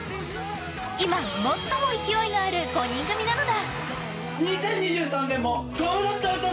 今、最も勢いのある５人組なのだ。